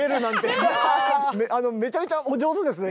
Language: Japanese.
あのめちゃめちゃお上手ですね